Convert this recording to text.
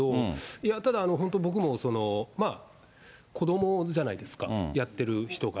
いや、ただ本当、僕も、子どもじゃないですか、やってる人が。